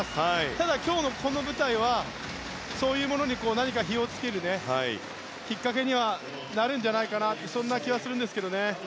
ただ今日のこの舞台はそういうものに何か火を付けるきっかけになるんじゃないかなとそんな気はするんですけどね。